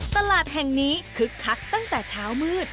ตลาดแห่งนี้คึกคักตั้งแต่เช้ามืด